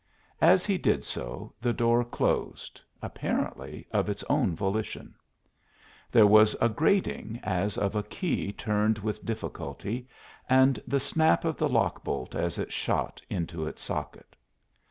As he did so the door closed, apparently of its own volition; there was a grating, as of a key turned with difficulty, and the snap of the lock bolt as it shot into its socket.